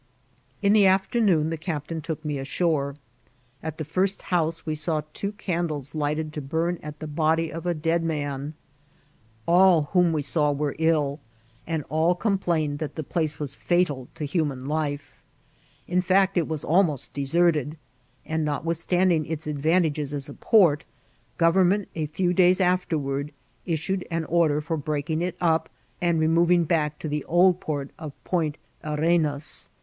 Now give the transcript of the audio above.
In the afternoon the captain took me ashore. At the first house we saw two candles lighted to bum at the body of a dead man. All whom we saw were ill, and all complained that the place was fatal to human li£e« In fact, it was almost deserted ; and, notwithstanding its advantages as a port, government, a few days after ward, issued an order for breaking it up, and removing back to the old port of Pont Arenas.